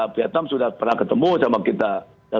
vietnam sudah pernah ketemu sama kita